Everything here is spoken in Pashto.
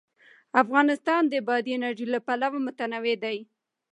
افغانستان د بادي انرژي له پلوه متنوع دی.